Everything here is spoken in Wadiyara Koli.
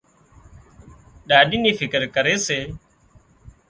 ڏاڏِي نِي فڪر ڪري سي